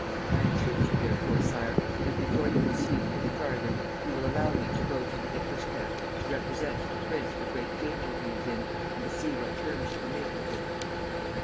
I entreat you, therefore, sire, that before you proceed any farther, you will allow me to go to the English camp to represent to the prince the great danger he is in, and to see what terms you can make with him."